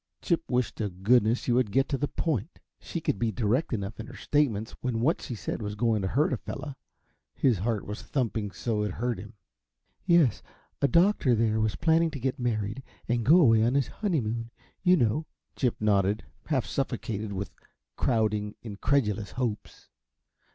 Chip wished to goodness she would get to the point. She could be direct enough in her statements when what she said was going to hurt a fellow. His heart was thumping so it hurt him. "Yes. A doctor there was planning to get married and go away on his honeymoon, you know " Chip nodded, half suffocated with crowding, incredulous hopes.